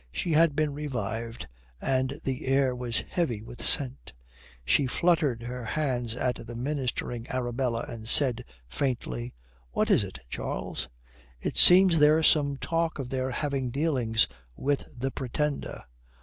She had been revived, and the air was heavy with scent. She fluttered her hands at the ministering Arabella and said faintly, "What is it, Charles?" "It seems there's some talk of their having dealings with the Pretender."